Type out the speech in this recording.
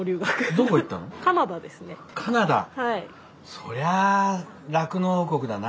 そりゃあ酪農王国だな。